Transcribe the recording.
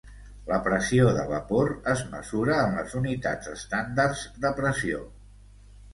La pressió de vapor es mesura en les unitats estàndard de pressió.